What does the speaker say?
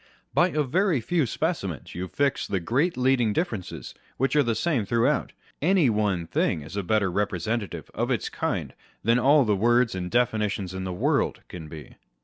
By a vory few specimens you fix the great leading differences which are the same throughout. Any one thing is a better representative of its kind than all the words and definitions in the world can be.